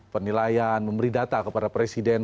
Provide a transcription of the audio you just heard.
penilaian memberi data kepada presiden